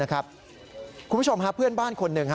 คุณผู้ชมเพื่อนบ้านคนหนึ่ง